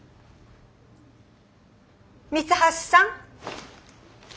三橋さん。